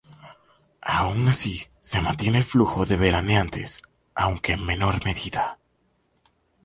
Aun así se mantiene el flujo de veraneantes aunque en menor medida.